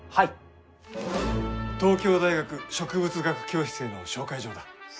東京大学植物学教室への紹介状だ。